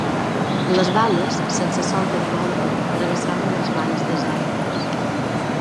Les bales sense solta ni volta, travessaven les valls desertes